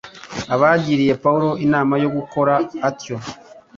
Abagiriye Pawulo inama yo gukora atyo,